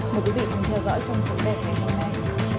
mời quý vị cùng theo dõi trong sổng đề thay hôm nay